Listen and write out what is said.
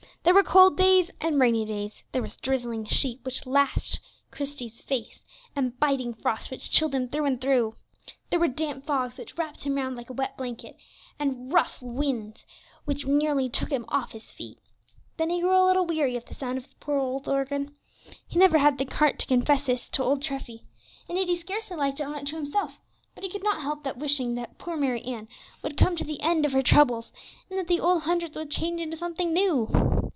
There were cold days and rainy days; there was drizzling sleet, which lashed Christie's face; and biting frost, which chilled him through and through. There were damp fogs, which wrapped him round like a wet blanket, and rough winds, which nearly took him off his feet. Then he grew a little weary of the sound of the poor old organ. He never had the heart to confess this to old Treffy; indeed he scarcely liked to own it to himself; but he could not help wishing that poor Mary Ann would come to the end of her troubles, and that the "Old Hundredth" would change into something new.